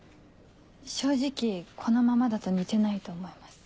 正直このままだと似てないと思います。